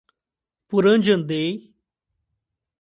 Por onde andei